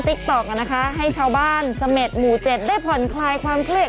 ติ๊กต๊อกนะคะให้ชาวบ้านเสม็ดหมู่เจ็ดได้ผ่อนคลายความเครียด